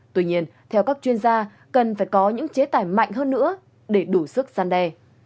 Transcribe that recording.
tuy nhiên theo các chuyên gia cần phải có những chế tải mạnh hơn nữa để đủ sức gian đe